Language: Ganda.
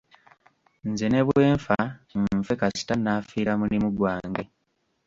Nze ne bwe nfa nfe kasita nnaafiira mulimu gwange.